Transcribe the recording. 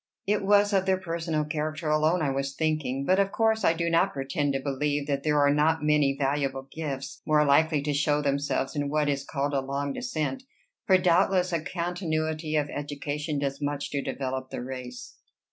"It was of their personal character alone I was thinking. But of course I do not pretend to believe that there are not many valuable gifts more likely to show themselves in what is called a long descent; for doubtless a continuity of education does much to develop the race."